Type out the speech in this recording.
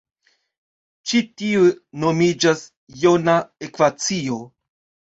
Ĉi tiu nomiĝas jona ekvacio.